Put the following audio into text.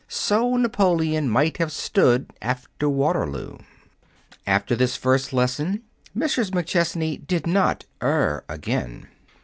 So Napoleon might have stood after Waterloo. After this first lesson, Mrs. McChesney did not err again.